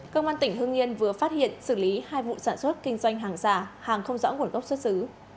công an tỉnh hương yên vừa phát hiện xử lý hai vụ sản xuất kinh doanh hàng giả hàng không rõ nguồn gốc xuất xứ